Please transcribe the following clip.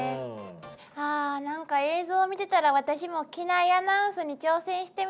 あなんか映像を見てたら私も機内アナウンスに挑戦してみたくなったわ。